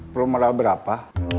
perlu modal berapa